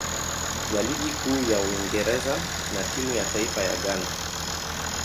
ya Ligi Kuu ya Uingereza na timu ya taifa ya Ghana.